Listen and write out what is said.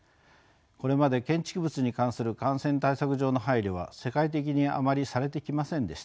これまで建築物に関する感染対策上の配慮は世界的にあまりされてきませんでした。